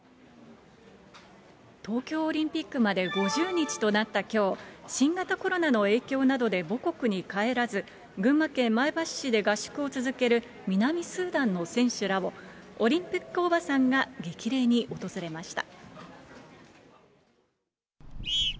東京オリンピックまで５０日となったきょう、新型コロナの影響などで母国に帰らず、群馬県前橋市で合宿を続ける南スーダンの選手らを、オリンピックおばさんが激励に訪れました。